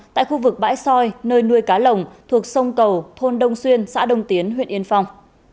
tại khu vực bãi soi nơi nuôi cá lồng thuộc sông cầu thôn đông xuyên xã đông tiến huyện yên phong